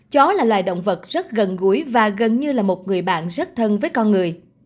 chó là loài động vật rất gần gũi và gần như là một người bạn rất thân với con người